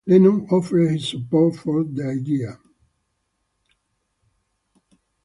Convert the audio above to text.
Lennon offered his support for the idea.